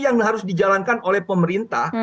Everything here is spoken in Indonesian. yang harus dijalankan oleh pemerintah